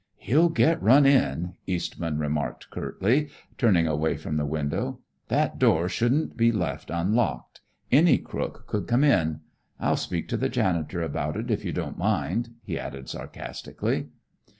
"He'll get run in," Eastman remarked curtly, turning away from the window. "That door shouldn't be left unlocked. Any crook could come in. I'll speak to the janitor about it, if you don't mind," he added sarcastically.